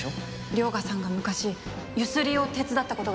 涼牙さんが昔ゆすりを手伝った事があるって。